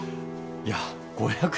いや５００円